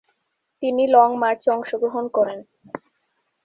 তিনি লং মার্চে অংশগ্রহণ করেন।